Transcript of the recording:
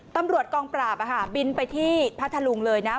ตำรวจกองปราบบินไปที่พัทธลุงเลยนะ